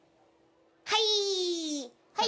はい。